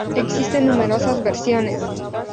Existen numerosas versiones.